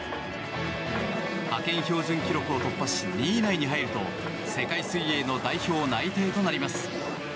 派遣標準記録を突破し２位以内に入ると世界水泳の代表内定となります。